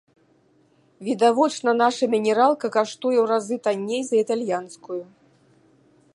Відавочна, наша мінералка каштуе ў разы танней за італьянскую.